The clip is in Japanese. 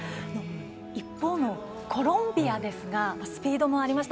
一方のコロンビアですがスピードもありました。